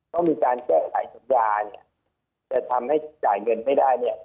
ต้องมีการแก้หลายสัญญาจะทำให้จ่ายเงินไม่ได้เนี่ย